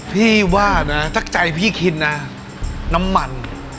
พี่ว่านะถ้าใจพี่กินนะน้ำมัน